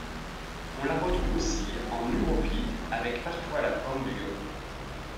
On la retrouve aussi en uropi, avec parfois la forme du yogh.